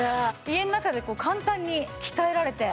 家の中で簡単に鍛えられて。